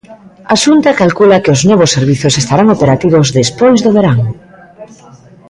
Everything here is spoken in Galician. A Xunta calcula que os novos servizos estarán operativos despois do verán.